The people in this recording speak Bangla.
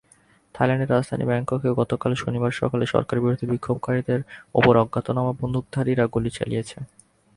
থাইল্যান্ডের রাজধানী ব্যাংককে গতকাল শনিবার সকালে সরকারবিরোধী বিক্ষোভকারীদের ওপর অজ্ঞাতনামা বন্দুকধারীরা গুলি চালিয়েছে।